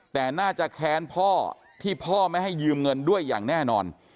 แต่น่าจะแค้นพ่อที่พ่อไม่ให้ยืมเงินด้วยอย่างแน่นอน